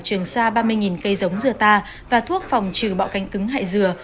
trường xa ba mươi cây giống dừa ta và thuốc phòng trừ bạo cánh cứng hại dừa